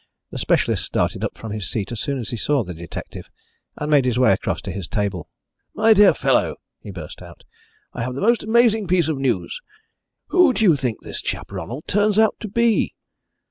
The specialist started up from his seat as soon as he saw the detective, and made his way across to his table. "My dear fellow," he burst out, "I have the most amazing piece of news. Who do you think this chap Ronald turns out to be?